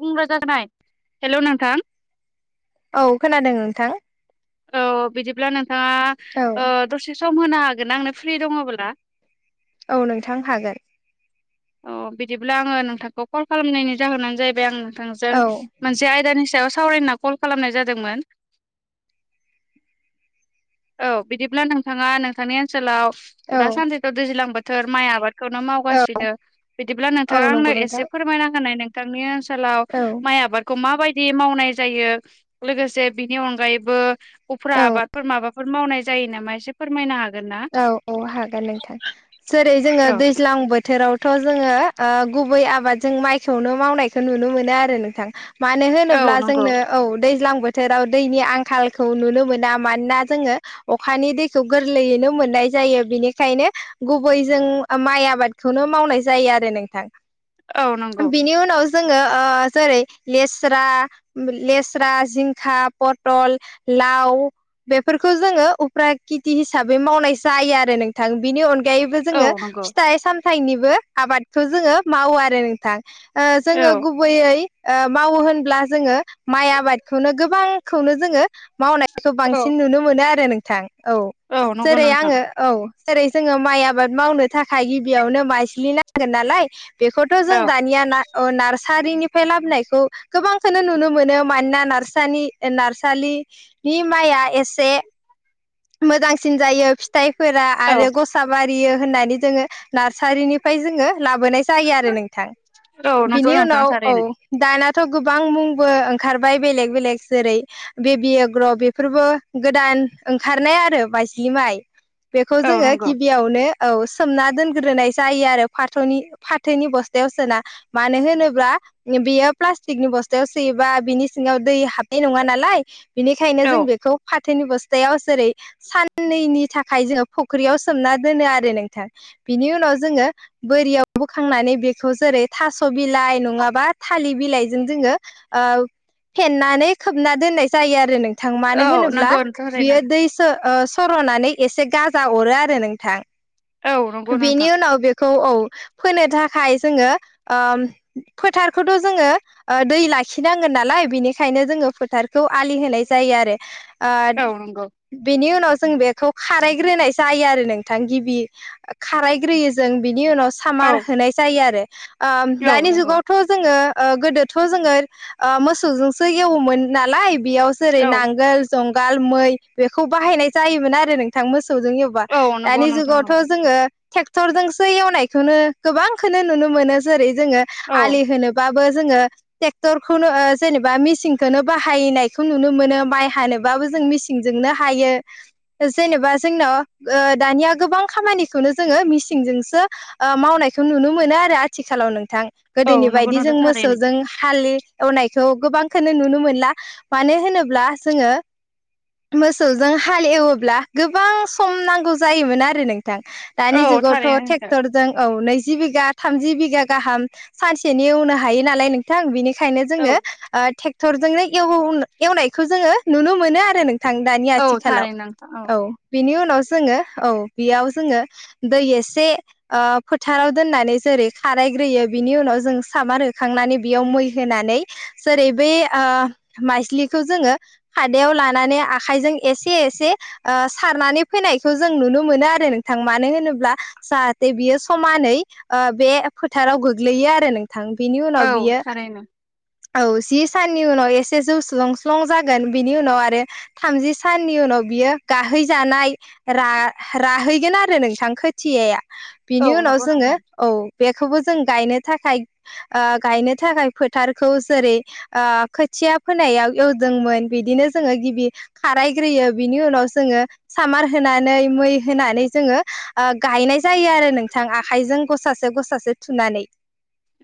बुंब्रा जागोनाय हेलौ नोंथां औ खोनादों नोंथां औ बिदिब्ला नोंथाङा औ ओ दसे सम होनो हागोन आंनो फ्रि दङब्ला औ नोंथां हागोन अ बिदिब्ला आङो नोंथांखौ कल खालामनायनि जाहोनानो जाहैबाय आङो नोंजों औ मोनसे आयदानि सायाव सावरायनो कल खालामनाय जादोंमोन औ बिदिब्ला नोंथाङा नोंथांनि ओनसोलाव औ दासानदैथ' दैज्लां बोथोर माइ आबादखौनो औ मावगासिनो बिदिब्ला औ नोंथाङा आंनो नंगौ नोंथां एसे फोरमायना हैनाय नोंथांनि ओनसोलाव औ माइ आबादखौ माबायद दि मावनाय जायो लोगोसे बिनि अनगायैबो उफ्रा औ आबादफोर माबाफो फोर मावनाय जायो नामा एसे फोरमायनो हाग औ औ हागोन नोंथां जेरै जोङो औ दैज्लां बोथोराव थ' जोङो ओ गुबै आबादजों माइखौनो मावनायखौ नुनो मोनो आरो नोंथां मानो औ होनोब्ला नंगौ जोंनो औ दैज्लां बोथोराव दैनि आंखालखौ नुनो मोना मानोना जोङो अखानि दैखौ गोरलैयैनो मोननाय जायो बिनिखायनो गुबै जों माइ आबादखौनो मावनाय जायो आरो नोंथां औ नंगौ बिनि उनाव जोङो ओ जरै लेस्रा लेस्रा जिंखा पटल लाव बेफोरखौ जोङो उफ्रा खेटि हिसाब बै मावनाय जायो आरो नोंथां बिनि अनगायैबो औ जोङो नंगौ फिथाइ साम थाइनिबो आबादखौ जोङो मावो आरो नोंथां ओ औ जोङो गुबैयै ओ मावो होनब्ला जोङो माइ आबादखौनो गोबांखौनो जोङो मावनायखौ औ बांसिन नुनो मोनो आरो नोंथां औ नं जेरै आङो औ जेरै जोङो माइ आबाद मावनो थाखाय गिबियावनो माइज्लि नांगोन नालाय बेखौथ' जों औ दानिया ना अ नार्सारिनि फाय लाबोनायखौ गोबांखौनो नुनो मोनो मानोना नारसानि ओ नारसालिनि माइ जा एसे मोजांसिन जायो फिथाइफोरा औौ आरो गसाबा बारियो होननानै जोङो नारसारिनिफ्राय जोङो लाबोनाय जायो आरो नोंथां औ नंगौ बिनि नोंथां उनाव औ थारैनो दाना थ' गोबां मुंबो ओंखारबाय बेलेक बेलेक जेरै बेबि एग्र बेफोरबो गोदान ओं खारनाय आरो मायस्लि माइ बेखौ औ जोङो नंगौ गिबियावनो औ सोमना दोनग्रोनाय जायो आरो फाथनि फाथोनि बस्थायाव सोना मानो होनोब्ला बेयो प्लास्टिकनि बस्थायाव सोयोबा बिनि सिङाव दै हाब नाय नङा नालाय बेनिखायनो औ जों बेखौ फाथोनि बस्थायाव जेरै साननैनि थाखाय जोङो फुख्रियाव सोमना दोनो आरो नोंथां बिनि उनाव जोङो बोरियाव बोखांनानै बेखौ जेरै थास' बिलाइ नङाबा थालिर बिलाइजों जोङो ओ फेननानै खोबना दोननाय जायो आरो नोंथां मानो औ होनोब्ला नंगौ थारैनो बियो दै सो सर'नानै एसे गाजा अरो आरो नोंथां। औ नंगौ नोंथां। खौ औ फोनो थाखाय जोङो ओ फोथारखौथ' जोङो दै लाखिनांगोन नालाय बेनिखायनो जोङो फोथारखौ आलि होनाय जायो आरो। ओ औ नंगौ बेनि उनाव जों बेखौ खारायग्रोनाय जायो आरो नोंथां गिबि खारायग्रोयो जों बिनि उनाव औ सामार होनाय जायो आरो। ओम औ दानि नंगौ जुगावथ' जोङो ओ गोदोथ' जोङो मोसौजोंसो एवोमोन नालाय बेयाव जेरै औ नांगोल जंगाल मै बेखौ बाहायनाय जायोमोन आरो नोंथां मोसौजों एवोब्ला। औ नंगौ दानि नोंथां जुगावथ' टेकतर जोंसो एवनायखौनो गोबां नुनो मोनो जेरै जोङो औ आलि होनोबा बो जोङो ट्रेक्टर खौनो जेनेबा मेसिनखौनो बाहायनायखौ नुनो मोनो माइ हानोबा बाबो जों मेसिन जोंनो हायो। जेनेबा जोंनाव ओ दनिया गोबां खामानिखौनो जोङो मिसिंजोंसो मावनायखौ नुनो मोनो आरो आथिखालाव नोंथां। औ गोदोनि नंगौ बायदि जों नोंथां थारैनो मोसौजों हालि एवनाय स' गोबांखोनो नुनो मोनला, मानो होनोब्ला जोङो मोसौजों हाल एवोब्ला गोबां सम नांगौ जायोमोन आरो नों दानि औ जुगावथ' थारैनो नोंथां ट्रेक्टरजों औ नै जि बिघा थामजि बिघा गाहाम सानसेनि एवनो हायो नालाय नोंथां, बेनि खायनो औ जोङो ट्रेक्टर जोंनो एव‌ एवनायखौ जोङो नुनो मोनो आरो नों थां दानि औ आथिखालाव। थारैनो नोंथां औ बिनि उनाव जोङो औ बेयाव जोङो दै एसे फोथाराव दोननानै जेरै खारायग्रोयो बिनि उनाव जों सामार होखांनानै बेयाव मै होनानै जेरै बे माइस्लिखौ जोङो हादायाव लानानै आखायजों एसे एसे ओ सारनानै फोनायखौ जों नुनो मोनो आरो नों थां, मानो होनोब्ला जाहाथे बियो समानै बे फोथाराव गोग्लैयो आरो नों थां बिनि उनाव औ बियो थारैनो औ जि साननि उनाव एसे जौ स्लं स्लं जागोन, बेनि उनाव आरो थामजि साननि नि उनाव बियो गाहै जानाय रा राहैगोन आरो नोंथां खोथियाया औ बिनि उनाव नंगौ जोङो नोंथां औ बेखौबो जों गायनो थाखाय ओ गायनो थाखाय थारखौ जेरै ओ खोथिया फोनायाव एवदोंमोन बिदिनो जोङो गिबि खाराय ग्रोयो बिनि उनाव जोङो सामार होनानै, मै होनानै जोङो गायनाय जायो आरो नोंथां आखाइजों गसासे गसासे थुनानै।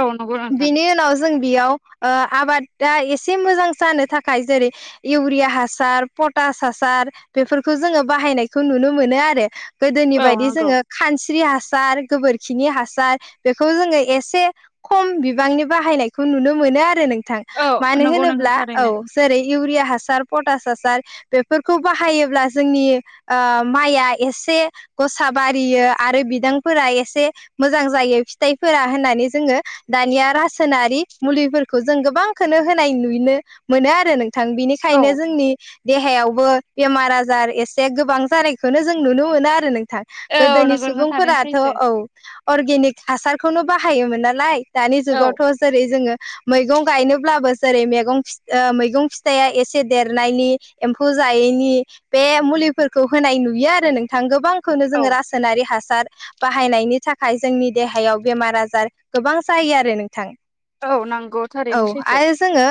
औ नंगौ नोंथां। बेनि उनाव जों बेयाव ओ आबादा एसे मोजां जानो थाखाय जेरै इउरिया हासार, पटा स हासार बेफोरखौ जोङो बाहायनायखौ नुनो मोनो आरो। गोदोनि औ बायदि नंगौ जोङो खानस्रि हास सार गोबोरखिनि हासार बेखौ जोङो एसे खम बिबांनि बाहायनाय खौ नुनो मोनो आरो नों औ मानो नंगौ नोंथां होनोब्ला औ थारैनो जेरै इउरिया हार पटास हासार बेफोरखौ बाहायोब्ला जोंनि ओ माइआ एसे गसा बारियो आरो बिदांफोरा एसे मोजां जायो फिथाइफोरा होननानै जोङो दानिया रासायनारि मुलिफोरखौ जों गोबांखोनो होनाय नुनो मोनो आरो नों थां औ बिनिखायनो जोंनि देहायावबो बेमार आजार एसे गोबां जानायखौनो जों नुनो मोनो आरो नों थां औ गोदोनि नंगौ नोंथां थारैनो सुबुंफोराथ' सैथो औ अर्गेनिक हासारखौनो बाहायोमोन नालाय। दानि जुगावथ' जेरै जोङो मैगं गं गायनोब्लाबो जेरै मेगं मैगं फिथाइया एसे देरनायनि एमफौ जायैनि बे मुलिफोरखौ होनाय नुयो आरो नोंथां गोबांखौनो औ जोङो रासायनारि हासार बाहायनायनि थाखाय जोंनि देहायाव बेमार आजार गोबां जायो आरो नोंथां । औ नंगौ औ थारैनो सैथो आरो जोङो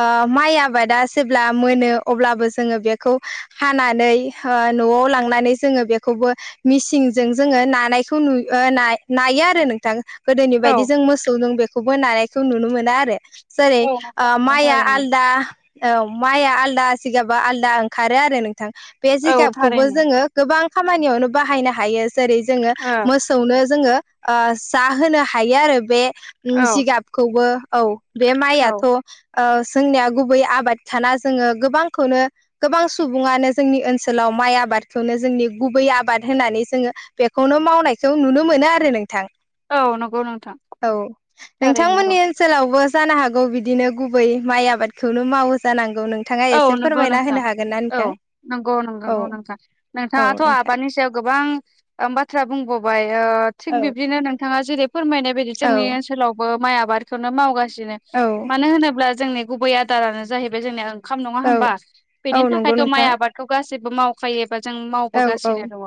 ओ माइ आ बादा जेब्ला मोनो अब्लाबो जोङो बेखौ हानानै ओ नआव लांनानै जों ङो बेखौबो मिसिनजों जोङो नानायखौ नु ओ ना नायो आरो नोंथां । गोदोनि औ बायदि जों मोसौ जों बेखौबो नानायखौ नुनो मोना आरो। जेरै औ नंगौ ओ नोंथां माइया थारैनो। आलदा औ । माइआ आलदा जिगाबा आलदा ओंखारो आरो नोंथां बे औ जिगाबखौबो थारैनो जोङो गोबां खामानियावनो बाहायनो हायो जेरै जोङो ओ मोसौनो जोङो ओ जाहोनो हायो आरो बे औ जिगाबखौबो औ । बे माइयाथ' औ ओ जोंनिया गुबै आबादखाना जोङो गोबांखौनो गोबां सुबुङानो जोंनि ओनसोलाव माइ आबादखौनो जोंनि गुबै आबाद होननानै जोङो बेखौनो मावनायखौ नुनो मोनो आरो नोंथां । औ नंगौ नोंथां । नोंथांमोननि ओनसोलावबो जानो हागौ बिदिनो गुबै माइ आबादखौनो मावो जानांगौ । औ नंगौ नोंथां औ नोंथां नंगौ नंगौ औ नोंथां औ नोंथाङाथ' नोंथां आबादनि सायाव गोबां बाथ्रा बुंनोबाय ओ थिग औ बिब्दिनो नोंथाङा जेरै फोरमायनाय बायदि औ जोंनि ओनसोलावबो माइ आबादखौनो मावगासिनो मानो होनोब्ला जोंनि गुबै आदारानो जाहैबाय जोंनिया ओंखाम नङा औ औ होनबाबेनि नंगौ थाखायथ' माइ नोंथां आबादखौ गासि बो मावखायो बा जों औ औ मावबोगासिनो दङ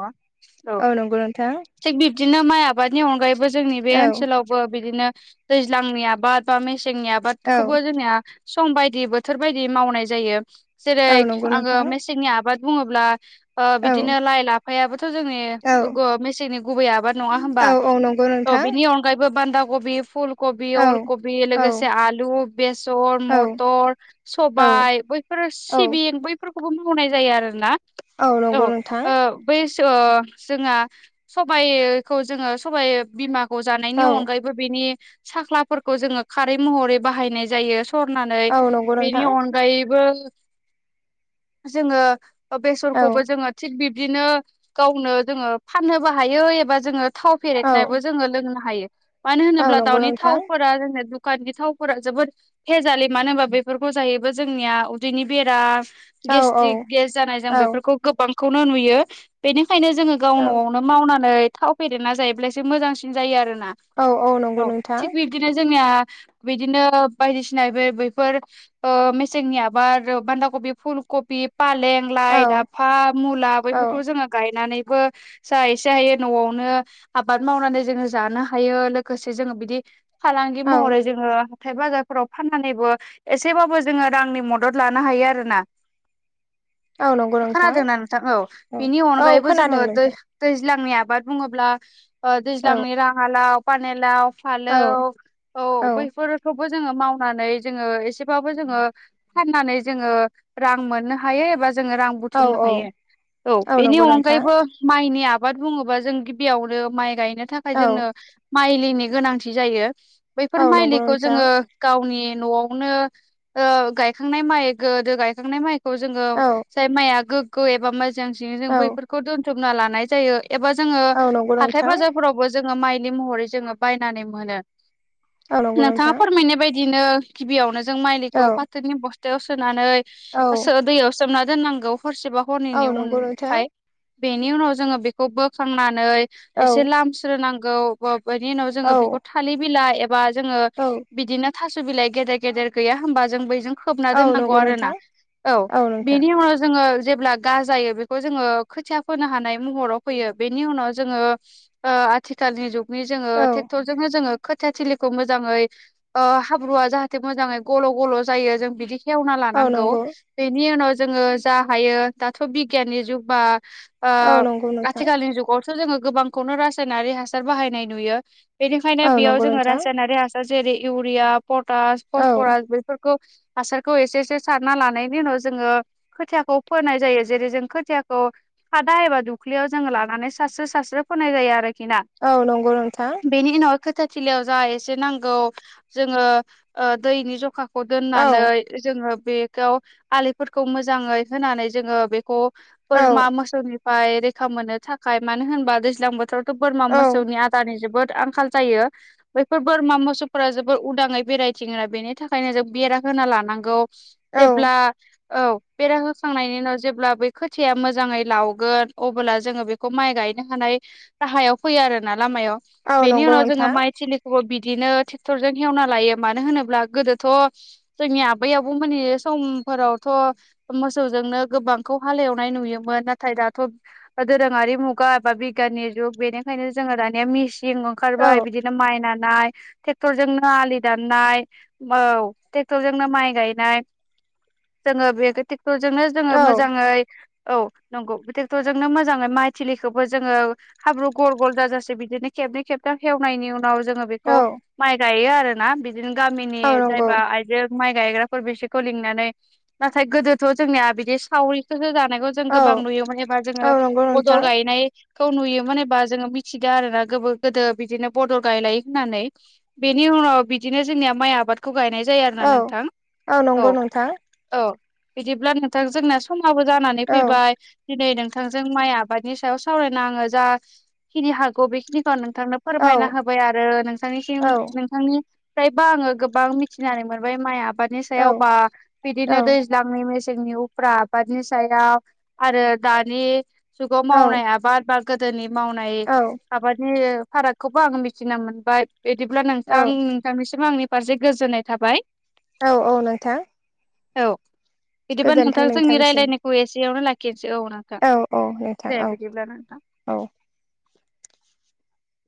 औ नंगौ नोंथां थिग बि दिनो माइ आबादनि अनगायैबो जोंनि बे औ ओनसोलावबो बिदिनो दैज्लांनि आबाद बा मे सेंनि औ आबादखौबो जोंनिया सम बायदि बोथोर बायदि मावनाय जायो । जेरै औ नंगौ आङो नोंथां मेसेंनि आबाद बुङोब्ला ओ औ बिदिनो लाइ लाफायाबोथ' जोंनि औ [unintelligible] मेसेंनि गुबै आबाद । नङा होमबा औ औ नंगौ औ नोंथां बिनि अनगायैबो बान्धा गबि फुल गबि औ अलगबि औ लोगोसे आलु बेसर औ मथर औ सबाय बैफोर औ सिबिं बैफोरखौबो मावनाय जायो आरोना औ नंगौ ओ नोंथां बै ओ जोंहा सबाइखौ जोङो सबाइ बिमा खौ जानायनि औ अनगायैबो बेनि साख्लाफोरखौ जोङो खारै महरै बाहायनाय जायो । सरनानै औ नंगौ बेनि नोंथां अनगायैबो जोङो औ बेसरखौबो जोङो थिग बिब्दिनो गावनो जोङो फाननोबो हायो एबा जोङो थाव औ फेरेदनाबो जोङो लोंनो हायो मानो औ होनोब्ला नंगौ दाउनि नोंथां थावफोरा जोंनो दु‌ खाननि थावफोरा जोबोद पेजालि मानो होनबा बेफोरखौ जायोबा जोंनिया उदैनि बेराम औ गेस्ट्रिक गेस जानाय जों औ बेफोरखौ गोबांखौनो नुयो बेनि खायनो जोङो गाव औ नआवनो मावनानै थाव फेरेदना जायोब्लासो मोजांसिन जायो आरो ना औ नंगौ औ नोंथां थिग बिबदिनो जों ना बिदिनो बायदिसिना बे बेफोर ओ मे सेंनि आबाद बान्दाकबि फुलकबि फालें औ लाइ लाफा मुला औ बैफोरखौ जोङो गायनानै बो जा एसे हायो नआवनो आबाद मावनानै जोङो जानो हायो लोगोसे जोङो बिदि फालांगि औ महरै जोङो हाथाय बाजारफोराव फाननानैबो एसेबाबो जोङो रांनि मदद लानो हायो आरोना औ नंगौ । खोनादोंना नोंथां औ बेनि औ अनगायैबो जोङो खोनादों दै दै नोंथां दैज्लांनि आबाद बुङोब्ला ओ औ दैज्लांनि राङालाव पानेलाव। औ फालौ औ बैफोरखौबो जोङो मावनानै जोङो एसेबा बो जोङो फाननानै जोङो रां मोननो हायो एबा जोङो रां औ बुथुमनो हायो औ बेनि नंगौ नोंथां अनगायैबो माइनि आबाद बुङोबा जों गिबियावनो माइ गायनो थाखाय औ जोंनो माइलिनि गोनांथि जायो बैफोर औ नंगौ माइलिखौ नोंथां जोङो गावनि न'आवनो ओ गायखांनाय माइ गोदो गायखांनाय माइखौ जोङो औ जाय माइआ गोगो एबा मो जांसि जों औ बैफोरखौ दोनथुमना लानाय जायो एबा जोङो औ नंगौ हाथाय नोंथां बाजारफोरावबो जों माइलि महरै जोङो बनानै मोनो औ नंगौ नोंथाङा नोंथां फोरमायनाय बाय बिदिनो गिबियावनो जों औ माइलिखौ फाथोनि बस्थायाव सोनानै औ सो दैयाव सोमना दोननांगौ हरसेबा औ हरनैनि नंगौ उननि नोंथां थाखाय बेनि उनाव जोङो बेखौ बोखांना नानै औ एसे लामस्रोनांगौ बो बेनि उनाव औ बिखौ थालिर बिलाय बा जोङो औ बिदिनो थास' बिलाइ गेदेर-गेदेर गैया हबा जों बैजों खोबना औ दोननांगौ नंगौ आरोना नोंथां औ बेनि उनाव जोङो जेब्ला गाजायो बेखौ जोङो खोथिया फोनो हानाय महराव फैयो बेनि उनाव जोङो आथिखालनि जुगनि जोङो औ ट्रेक्टरजोंनो जोङो खोथिया थिलिखौ मोजाङै ओ हाब्रुवआ जाहाथे मोजाङै गल'गल' जायो जों बिदि खेवना औ लानांगौ नंगौ बेनि उनाव जोङो जा हायो दाथ' बिगियाननि जुगबा ओ औ नंगौ नोंथां आथिखालनि जुगावथ' जोङो गोबांखौनो रासायनारि हासार बाहायनाय नुयो। बेनिखायनो औ बेयाव नंगौ जोङो नोंथां रासायनारि हासार जेरै इउरिया, पटास, औ फसफरास बेफोर हासारखौ एसे-एसे सारना लानायनि उनाव जोङो खोथियाखौ फोनाय जायो जेरै जों खोथिया खौ खादा एबा दुख्लियाव जोङो लानानै सासस्रो-सासस्रो फोननाय जायो आरो। ना औ नंगौ नोंथां बेनि उनाव खोथाथिलियाव जा एसे नांगौ जोङो ओ दैनि जखा खौ औ दोननानै जोङो बेखौ आलिफोरखौ मोजाङै होनानै जोङो बेखौ औ बोरमा मोसौनिफ्राय रैखा मोननो थाखाय मानो होनबा दैज्लां बोथोराव बोरमा औ मोसौनि आदारनि जोबोद आंखाल जायो बैफोर बोरमा, मोसौफोरा जोबोर उदाङै बेरायथिङोना बेनि थाखाय खायनो जों बेरा होना लानांगौ औ जेब्ला औ बेरा होखांनायनि उनाव जेब्ला बै खोथिया मोजाङै लावगोन अब्ला जोङो बेखौ माइ गाय गायनो हानाय गाहायाव फैयो आरोना लामायाव औ बेनि नंगौ उनाव जोंङो नोंथां माइथिलिखौबो बिदिनो ट्रेक्टर जजों ऐवना लायो मानो होनोब्ला गोदो थ जोंनि आबै-आबौ मोननि समफोरावथ' मोसौजोंनो गोबांखौ हा वेनाय नुयोमोन नाथाय दाथ' दोरोङारि मुगा एबा बिगियाननि जुग बेनिखायनो जोङो दानिया मिसिन थिं ओंखारबाय औ बिदिनो माइ नानाय, ट्रेक्टरजोंनो आलि दाननाय औ ट्रेक्टरजोंनो माइ गायनाय जोङो बे सुलजोंनो जोङो औ मोजाङै औ नंगौ ट्रेक्टर जोंनो मोजाङै माइ थलिखौबो जोङो हाब्रु गल गल जाजासे बिदिनो खेबनै, खेबथां खवनायनि उनाव जोङो औ बेखौ माइ गायो आरोना बिदिनो गामिनि औ नंगौ जायबा आइजो माइ गायग्राफोर बिसोरखौ लिंनानै नाथाय गोदोथ' जोंनिया बिदि सावरिसो हो जों औ गोबां नुयोमोन एबा औ जोङो नंगौ बदल नोंथां गायनाय खौ नुयोमोन एबा जोङो मिथिदों आरोना गोबो गोदो बिदिनो बदल गायलायो होननानै बेनि बेनि उनाव बिदिनो जोंनिया माइ आबादखौ गायनाय जायो आरोना औ नोंथां औ नंगौ नोंथां औ। बिदिब्ला नोंथां जोंनाया समाबो जानानै औ फैबाय दिनै नों नोंथांजों माइ आबादनि सायाव सावरायना आंङो जाखिनि हागौ बेखिनिखौ नोंथां नोंथांनो औ फोरमायना होबाय आरो नोंथांनिसिम औ नोंथांनिफ्रायबा आंङो गोबां बां मिथिनानै मोनबाय माइ आबादनि औ सायावबा औ बिदिनो दैज्लां नि मेसें मेसेंनि उफ्रा आबादनि सायाव आरो दानि जुगाव मावनाय आबाद बा गोदोनि मावनाय औ आाबादनि फारागखौबो आं मिथिनो मोनबाय। बिदिब्ला औ नोंथां नोंथांनिसिम आंनि फारसे गोजोननाय थाबाय। औ-औ नोंथां। औ बिदिबा गोजोन्थों नोंथां जोंनि नोंथांसिम रायलायनायखौ एसेयावनो लाखि औ नोंथां। औ नोंथां दे औ बिदिब्ला नोंथां। औ